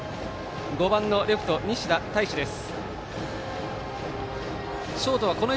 ５番のレフト、西田大志です。